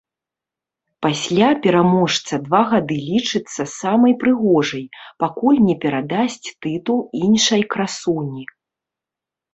Пасля пераможца два гады лічыцца самай прыгожай, пакуль не перадасць тытул іншай красуні.